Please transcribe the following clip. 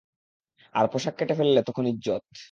আর পোশাক কেটে ফেললে তখন ইজ্জত।